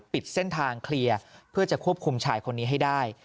ปิดเส้นทางเคลียร์เพื่อจะควบคุมชายคนนี้ให้ได้